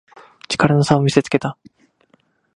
力の差を見せつけた